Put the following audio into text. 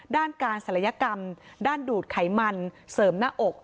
ด้านการศัลยกรรมด้านดูดไขมันเสริมหน้าอก